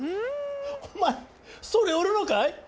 お前それ売るのかい？